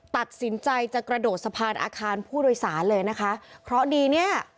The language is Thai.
ตัดสินใจจะกระโดดสะพานอาคารผู้โดยสารเลยนะคะเพราะดีเนี้ย